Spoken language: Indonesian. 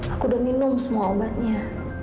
aku udah minum semua obatnya